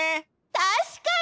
たしかに！